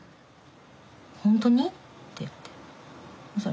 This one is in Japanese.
「本当に？」って言ってそ